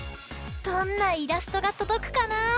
どんなイラストがとどくかな！